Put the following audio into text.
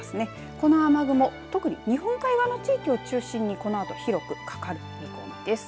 この雨雲、特に日本海側の地域を中心にこのあと広くかかる見込みです。